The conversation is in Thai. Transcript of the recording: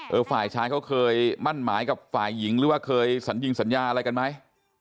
ฝ่ายชายเขาเคยมั่นหมายกับฝ่ายหญิงหรือว่าเคยสัญญิงสัญญาอะไรกันไหม